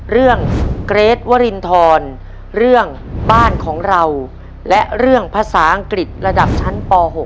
เรื่องเกรทวรินทรเรื่องบ้านของเราและเรื่องภาษาอังกฤษระดับชั้นป๖